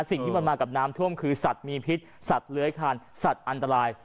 สิ่งที่มันมากับน้ำท่วมคือสัตว์มีพิษสัตว์เลื้อยคานสัตว์อันตราย